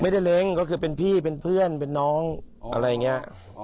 เล้งก็คือเป็นพี่เป็นเพื่อนเป็นน้องอะไรอย่างนี้